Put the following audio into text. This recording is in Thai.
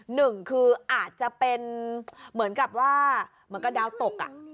หนึ่งคืออาจจะเป็นเหมือนกับว่าเหมือนกับดาวตก